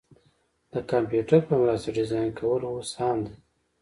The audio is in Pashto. د کمپیوټر په مرسته ډیزاین کول اوس عام دي.